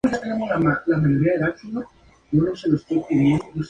La canción está inspirada en la película "Amadeus".